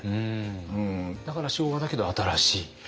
だから昭和だけど新しい？